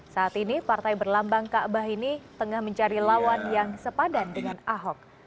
saat ini partai berlambang kaabah ini tengah mencari lawan yang sepadan dengan ahok